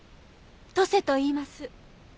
登勢といいます。